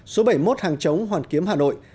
số bảy mươi một hàng chống hoàn kiếm hà nội